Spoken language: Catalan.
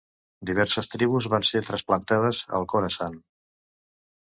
Diverses tribus van ser trasplantades al Khorasan.